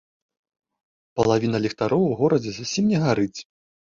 Палавіна ліхтароў у горадзе зусім не гарыць.